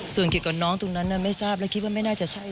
ส่วนเกี่ยวกับน้องตรงนั้นไม่ทราบและคิดว่าไม่น่าจะใช่